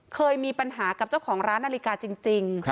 เคยมีปัญหากับเจ้าของร้านนาฬิกาจริง